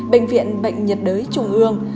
bệnh viện bệnh nhiệt đới trung ương